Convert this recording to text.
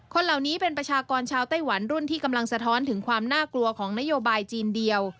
เหล่านี้เป็นประชากรชาวไต้หวันรุ่นที่กำลังสะท้อนถึงความน่ากลัวของนโยบายจีนเดียว